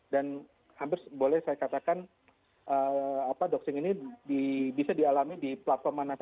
dan hampir boleh saya katakan doxing ini bisa dialami di platform mana saja